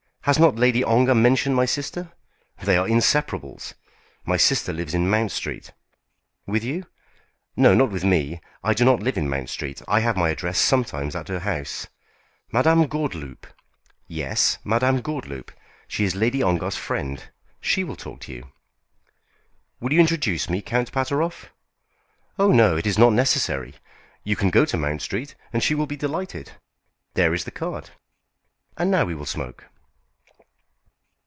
Has not Lady Ongar mentioned my sister? They are inseparables. My sister lives in Mount Street." "With you?" "No, not with me; I do not live in Mount Street. I have my address sometimes at her house." "Madame Gordeloup?" "Yes, Madame Gordeloup. She is Lady Ongar's friend. She will talk to you." "Will you introduce me, Count Pateroff?" "Oh, no; it is not necessary. You can go to Mount Street, and she will be delighted. There is the card. And now we will smoke."